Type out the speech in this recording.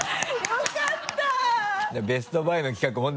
よかった！